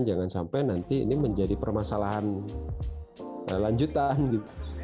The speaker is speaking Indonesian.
jangan sampai nanti ini menjadi permasalahan lanjutan gitu